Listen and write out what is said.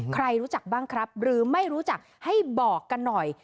ใครรู้จักบ้างครับหรือไม่รู้จักให้บอกกันหน่อย